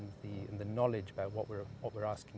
dan pengetahuan tentang apa yang kita butuhkan